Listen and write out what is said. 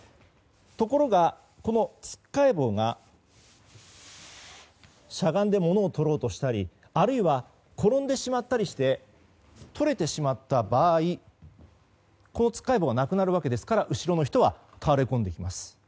ところが、つっかえ棒がしゃがんで物をとろうとしたりあるいは、転んでしまったりしてとれてしまった場合このつっかえ棒はなくなるわけですから後ろの人が倒れこんできます。